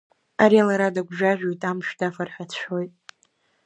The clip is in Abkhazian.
Ари лара дыгәжәажәоит, амшә дафар ҳәа дшәоит.